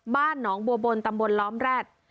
บ้านหนองบัวบนตำบลล้อมแร็ด